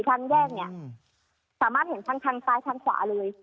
ทางแยกเนี่ยสามารถเห็นทั้งทางซ้ายทางขวาเลย